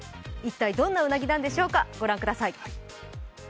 一体どんなうなぎなんでしょうか？